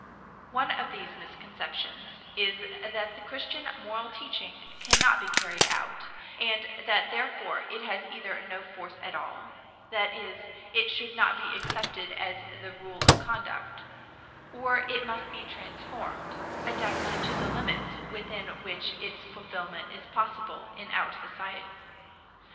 One of these misconceptions is that the Christian moral teaching cannot be carried out, and that therefore it has either no force at all that is, it should not be accepted as the rule of conduct or it must be transformed, adapted to the limits within which its fulfillment is possible in our society.